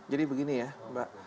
jadi begini ya mbak